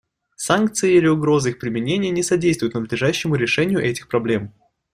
Санкции или угроза их применения не содействуют надлежащему решению этих проблем.